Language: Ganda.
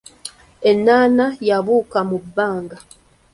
Ennaana, yabuuka mu bbanga.